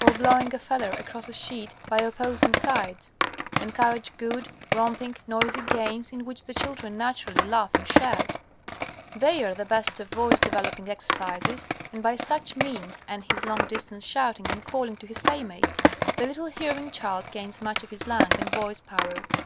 Or blowing a feather across a sheet by opposing sides. Encourage good, romping, noisy games in which the children naturally laugh and shout. They are the best of voice developing exercises, and by such means, and his long distance shouting and calling to his playmates, the little hearing child gains much of his lung and voice power.